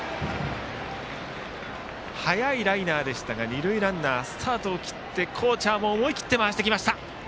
速いライナーでしたが二塁ランナーはスタートを切ってコーチャーも思い切って回してきました。